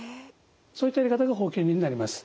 そういったやり方がホー吸入になります。